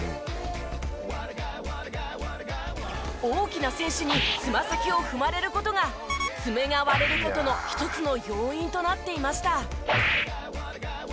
大きな選手につま先を踏まれる事が爪が割れる事の一つの要因となっていました。